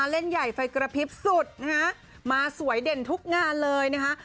เล่นใหญ่ไฟกระพริบสุดนะคะมาสวยเด่นทุกงานเลยนะคะ